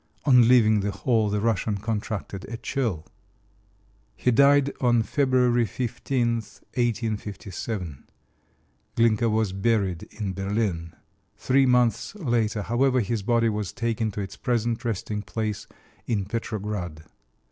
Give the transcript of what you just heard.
On leaving the hall the Russian contracted a chill. He died on February 15, 1857. Glinka was buried in Berlin. Three months later, however, his body was taken to its present resting place in Petrograd.